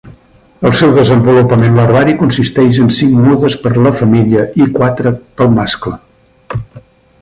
El seu desenvolupament larvari consisteix en cinc mudes per la femella i quatre pel mascle.